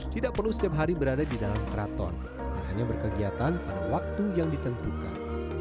tidak perlu setiap hari berada di dalam keraton dan hanya berkegiatan pada waktu yang ditentukan